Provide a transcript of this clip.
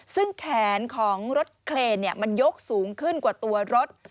ซึ่งแขนของรถเคลนมันยกสูงขึ้นกว่าตัวรถ